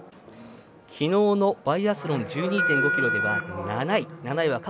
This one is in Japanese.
昨日のバイアスロン１２．５ｋｍでは７位。